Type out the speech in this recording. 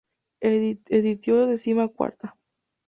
Editio decima quarta.